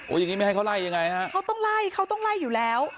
โอ้ยอย่างนี้ไม่ให้เขาไล่ยังไงฮะเขาต้องไล่อยู่แล้ว